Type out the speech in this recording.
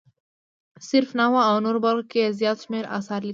صرف، نحوه او نورو برخو کې یې زیات شمېر اثار لیکلي.